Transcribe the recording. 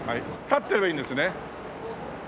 立ってればいいんですね？